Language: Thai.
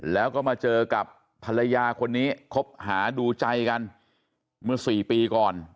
แล้วก็มาเจอกับภรรยาคนนี้คบหาดูใจกันเมื่อสี่ปีก่อน